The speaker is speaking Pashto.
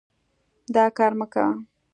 دا کار مه کوه.